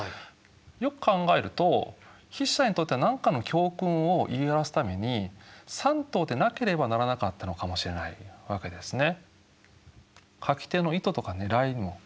よく考えると筆者にとっては何かの教訓を言い表すために３頭でなければならなかったのかもしれないわけですね。